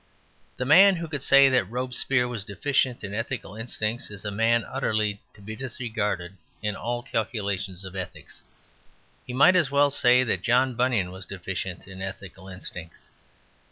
The man who could say that Robespierre was deficient in ethical instincts is a man utterly to be disregarded in all calculations of ethics. He might as well say that John Bunyan was deficient in ethical instincts.